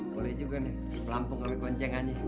boleh juga nih pelampung kami konceng aja